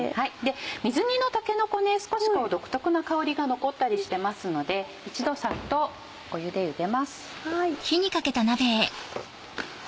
水煮のたけのこね少し独特な香りが残ったりしてますので一度サッと湯で茹でます。